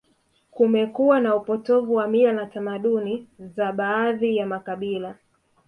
Kumekuwa na upotovu wa mila na tamaduni za baadhi ya makabila